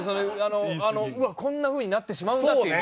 うわっこんなふうになってしまうんだっていう。